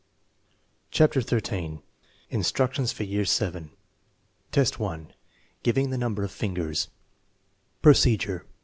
CHAPTER Xin INSTRUCTIONS FOR YEAR VH VII, 1. Giving the number of fingers Procedure.